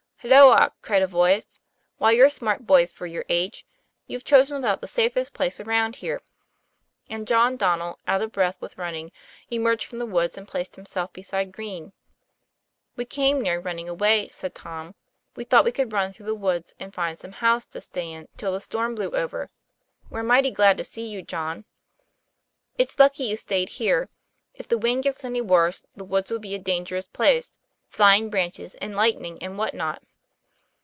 'Halloa!" cried a voice, "why you're smart boys for your age; you've chosen about the safest place around here." And John Donnel, out of breath with running, emerged from the woods and placed himself beside Green. 'We came near running away," said Tom. "We thought we could run through the woods and find some house to stay in till the storm blew over. We're mighty glad to see you, John." ' It's lucky you stayed here. If the wind gets any worse the woods will be a dangerous place fly ing branches and lightning and what not!"